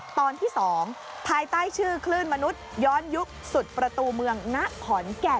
ตอนที่๒ภายใต้ชื่อคลื่นมนุษย้อนยุคสุดประตูเมืองณขอนแก่น